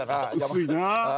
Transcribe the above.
薄いな。